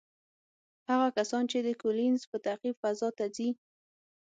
هغه کسان چې د کولینز په تعقیب فضا ته ځي،